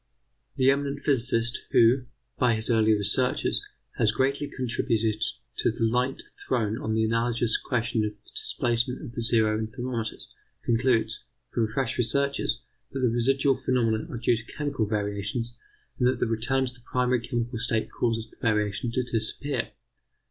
The eminent physicist, who, by his earlier researches, has greatly contributed to the light thrown on the analogous question of the displacement of the zero in thermometers, concludes, from fresh researches, that the residual phenomena are due to chemical variations, and that the return to the primary chemical state causes the variation to disappear.